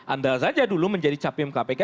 anda saja dulu menjadi capim kpk